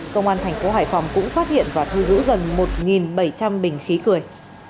công an tp hải phòng cũng phát hiện và thu giữ gần một bảy trăm linh bình khí cười